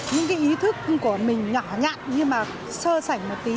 những cái ý thức của mình nhỏ nhạn nhưng mà sơ sảnh một tí